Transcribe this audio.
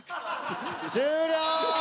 終了！